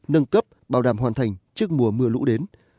nâng cấp bảo đảm hoàn thành trước mùa mưa lũ đến